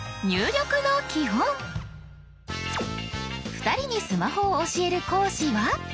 ２人にスマホを教える講師は。